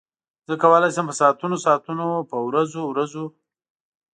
زه کولای شم په ساعتونو ساعتونو په ورځو ورځو.